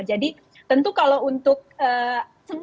jadi tentu kalau untuk semua itu